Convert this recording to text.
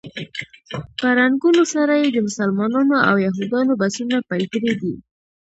په رنګونو سره یې د مسلمانانو او یهودانو بسونه بېل کړي دي.